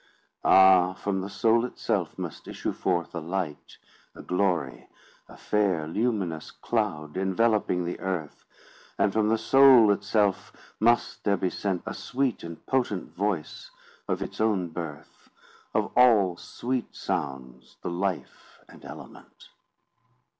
..... Ah! from the soul itself must issue forth, A light, a glory, a fair luminous cloud, Enveloping the Earth— And from the soul itself must there be sent A sweet and potent voice of its own birth, Of all sweet sounds the life and element!"